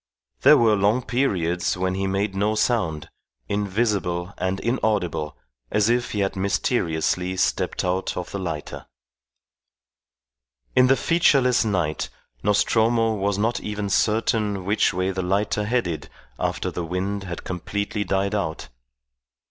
There were long periods when he made no sound, invisible and inaudible as if he had mysteriously stepped out of the lighter. In the featureless night Nostromo was not even certain which way the lighter headed after the wind had completely died out.